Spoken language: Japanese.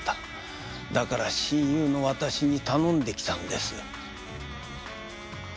だから親友の私に頼んできたんです。